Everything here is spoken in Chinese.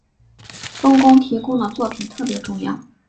冬宫提供的作品特别重要。